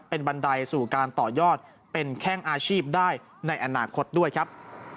เป็นบันไดสู่การต่อยอดเป็นแข้งอาชีพได้ในอนาคตด้วยครับ